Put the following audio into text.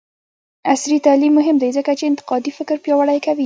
عصري تعلیم مهم دی ځکه چې انتقادي فکر پیاوړی کوي.